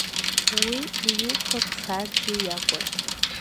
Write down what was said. Уи Лиуфа Ԥсардиа иакәын.